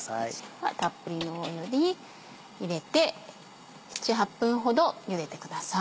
ではたっぷりの湯に入れて７８分ほどゆでてください。